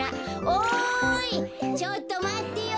おいちょっとまってよ。